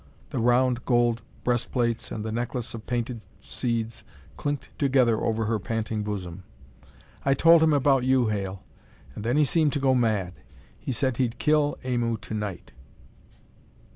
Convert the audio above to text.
The round gold breastplates and the necklace of painted seeds clinked together over her panting bosom. "I told him about you, Hale. And then he seemed to go mad. He said he'd kill Aimu to night."